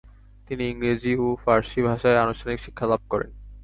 তিনি ইংরেজি ও ফারসি ভাষায় আনুষ্ঠানিক শিক্ষা লাভ করেন।